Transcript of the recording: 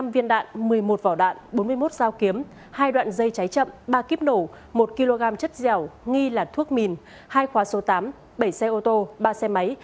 một mươi viên đạn một mươi một vỏ đạn bốn mươi một dao kiếm hai đoạn dây cháy chậm ba kíp nổ một kg chất dẻo nghi là thuốc mìn hai khóa số tám bảy xe ô tô ba xe máy